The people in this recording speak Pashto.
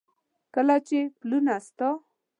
کله چې پلونه ستا،